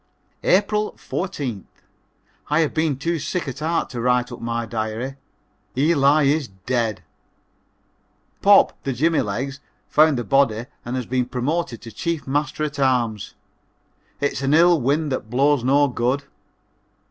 April 14th. I have been too sick at heart to write up my diary Eli is dead! "Pop," the Jimmy legs, found the body and has been promoted to Chief Master at arms. It's an ill wind that blows no good.